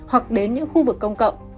hoặc đến những khu vực công cộng